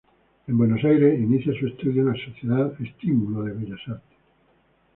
En Buenos Aires inicia sus estudios en la Sociedad Estímulo de Bellas Artes.